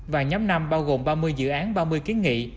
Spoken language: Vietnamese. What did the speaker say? và nhóm năm bao gồm ba mươi dự án ba mươi kiến nghị